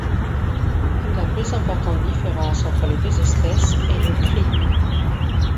La plus importante différence entre les deux espèces est le cri.